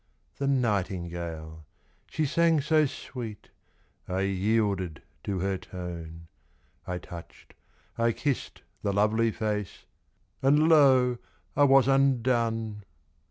The nightingale, she sang so sweet, I yielded to her tone. I touched, I kissed the lovely face, And lo, I was undone!